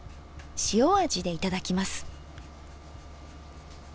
塩味でいただきます。